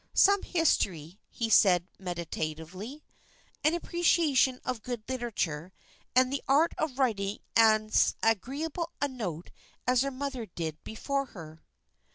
"Some history;" he said meditatively, "an appreciation of good literature, and the art of writing as agreeable a note as her mother did before her."